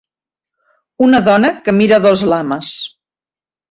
Una dona que mira dos lames.